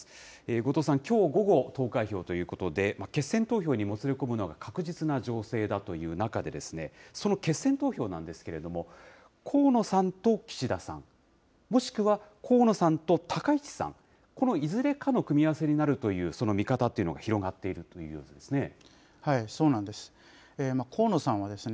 後藤さん、きょう午後、投開票ということで、決選投票にもつれ込むのが確実な情勢だという中でですね、その決選投票なんですけれども、河野さんと岸田さん、もしくは河野さんと高市さん、このいずれかの組み合わせになるという、その見方っていうのが広がっているといえるんですね。